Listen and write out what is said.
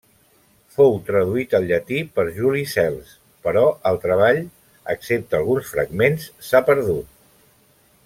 Fou traduït al llatí per Juli Cels, però el treball, excepte alguns fragments, s'ha perdut.